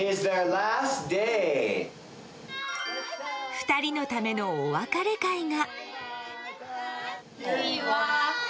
２人のためのお別れ会が。